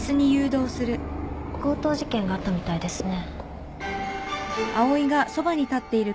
強盗事件があったみたいですね。